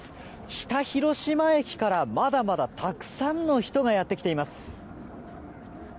北広島駅からまだまだたくさんの人がやって来ています。